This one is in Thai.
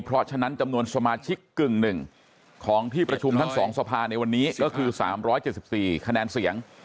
เพราะฉะนั้นจำนวนสมาชิกกึ่งหนึ่งของที่ประชุมทั้ง๒สภาในวันนี้ก็คือ๓๗๔คะแนนเสียง